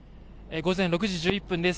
午前６時１１分です。